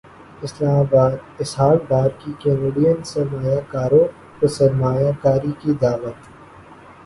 اسلام اباد اسحاق ڈار کی کینیڈین سرمایہ کاروں کو سرمایہ کاری کی دعوت